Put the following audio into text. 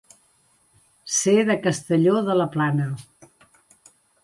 Ser de Castelló de la Plana.